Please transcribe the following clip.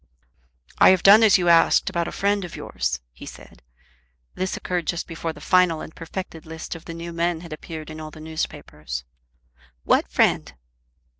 "I have done as you asked about a friend of yours," he said. This occurred just before the final and perfected list of the new men had appeared in all the newspapers. "What friend?"